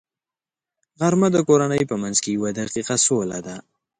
غرمه د کورنۍ په منځ کې یوه دقیقه سوله ده